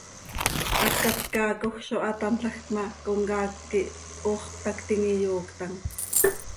Hacat caacoj zo hatámlajc ma, comcaac quih hoox cötactim, iyooctam.